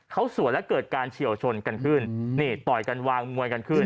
เขาสวนและเกิดการเฉียวชนกันขึ้นนี่ต่อยกันวางมวยกันขึ้น